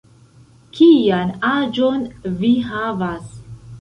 Kian aĝon vi havas?